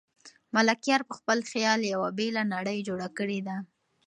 ملکیار په خپل خیال یوه بېله نړۍ جوړه کړې ده.